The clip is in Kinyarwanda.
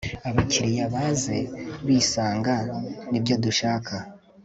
abakiliya baze bisanga nibyo dushaka